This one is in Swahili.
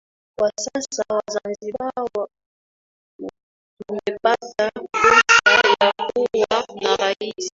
kwa sasa Wazanzibari tumepata fursa ya kuwa na Rais